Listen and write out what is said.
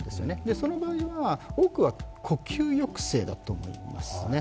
その場合は多くは呼吸抑制だと思いますね。